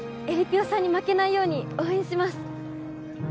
さんに負けないように応援します